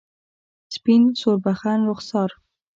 سپین سوربخن رخسار